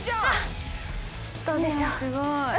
すごい。